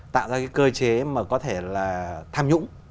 tạo ra cái cơ chế mà có thể là tham nhũng